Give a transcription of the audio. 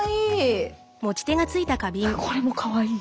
これもかわいい！